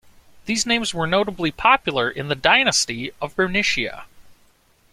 These names were notably popular in the dynasty of Bernicia.